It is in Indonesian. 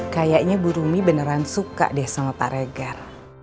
kayaknya bu rumi beneran suka deh sama pak regar